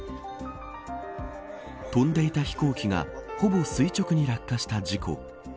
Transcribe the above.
飛んでいた飛行機がほぼ垂直に落下した事故。